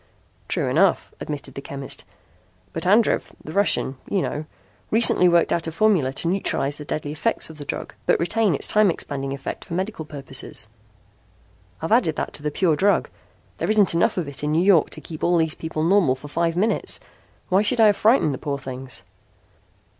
"True enough," admitted the chemist, "but Andrev, the Russian, you know, recently worked out a formula to neutralize the deadly effects of the drug but retain its time expanding effect for medical purposes. I've added that to the pure drug. There isn't enough of it in New York to keep all these people normal for five minutes. Why should I have frightened the poor things?"